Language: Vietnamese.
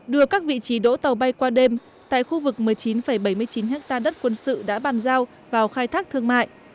đưa các vị trí đỗ tàu bay qua đêm tại khu vực một mươi chín bảy mươi chín ha đất quân sự đã bàn giao vào khai thác thương mại